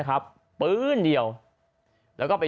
จังหวะเดี๋ยวจะให้ดูนะ